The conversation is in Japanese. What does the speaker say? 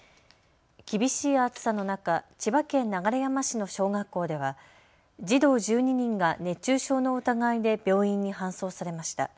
厳しい暑さの中、千葉県流山市の小学校では児童１２人が熱中症の疑いで病院に搬送されました。